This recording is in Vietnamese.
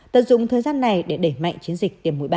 tận dụng thời gian này để đẩy mạnh chiến dịch tiêm mũi ba